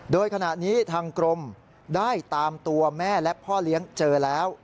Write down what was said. โดยขณะนี้ทางกรมได้ตามตัวแม่และพ่อเลี้ยงเจอแล้ว